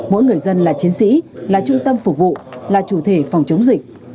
mỗi người dân là chiến sĩ là trung tâm phục vụ là chủ thể phòng chống dịch